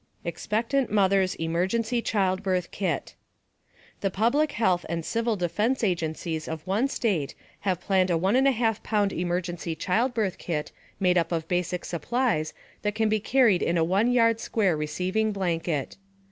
EXPECTANT MOTHER'S EMERGENCY CHILDBIRTH KIT The public health and civil defense agencies of one State have planned a 1 1/2 pound emergency childbirth kit made up of basic supplies that can be carried in a 1 yard square receiving blanket.